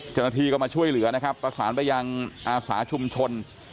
เจ้าหน้าที่ก็มาช่วยเหลือนะครับประสานไปยังอาสาชุมชน